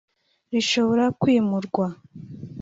rishobora kwimurwa